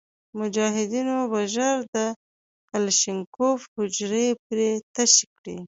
مجاهدینو به ژر د کلشینکوف ججوري پرې تش کړ.